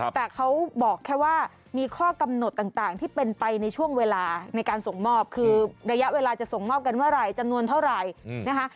แต่เขาบอกแค่ว่ามีข้อกำหนดต่างที่เป็นไปในช่วงเวลาในการส่งมอบคือระยะเวลาจะส่งมอบกันเมื่อไหร่จำนวนเท่าไหร่นะคะ